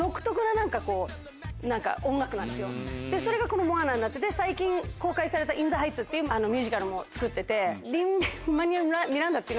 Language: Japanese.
それがこの『モアナ』になってて最近公開された『イン・ザ・ハイツ』っていうミュージカルも作っててリン＝マニュエル・ミランダっていう。